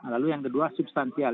lalu yang kedua substansial